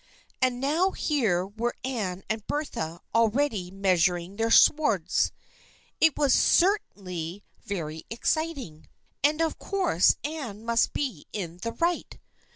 And now here were Anne and Bertha already measuring their swords. It was certainly 234 THE FKIENDSHIP OF ANNE very exciting. And of course Anne must be in the right